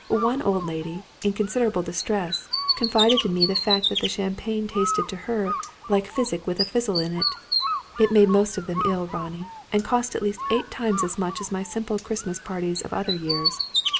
One old lady, in considerable distress, confided to me the fact that the champagne tasted to her 'like physic with a fizzle in it.' It made most of them ill, Ronnie, and cost at least eight times as much as my simple Christmas parties of other years.